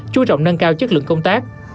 trú trọng nâng cao chất lượng công tác